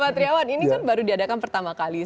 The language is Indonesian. patriawan ini kan baru diadakan pertama kali